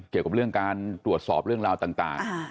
เกี่ยวกับเรื่องการตรวจสอบเรื่องราวต่าง